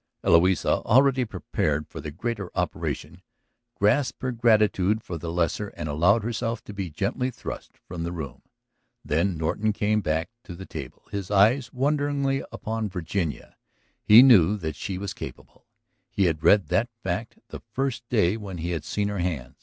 Eloisa, already prepared for the greater operation, gasped her gratitude for the lesser and allowed herself to be gently thrust from the room. Then Norton came back to the table, his eyes wonderingly upon Virginia. He knew that she was capable; he had read that fact the first day when he had seen her hands.